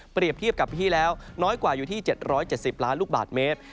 เทียบกับปีที่แล้วน้อยกว่าอยู่ที่๗๗๐ล้านลูกบาทเมตร